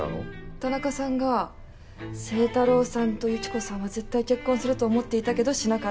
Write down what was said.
田中さんが「星太郎さんと由紀子さんは絶対結婚すると思っていたけどしなかった」。